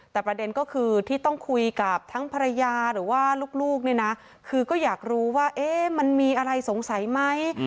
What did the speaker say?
แต่ประเด็นก็คือที่ต้องคุยกับทั้งภรรยาหรือว่าลูกเนี่ยนะคือก็อยากรู้ว่ามันมีอะไรสงสัยไหม